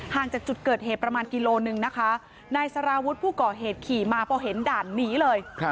จากจุดเกิดเหตุประมาณกิโลนึงนะคะนายสารวุฒิผู้ก่อเหตุขี่มาพอเห็นด่านหนีเลย